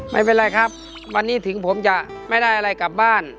ไม่เป็นไรครับวันนี้ถึงผมจะไม่ได้อะไรกลับบ้าน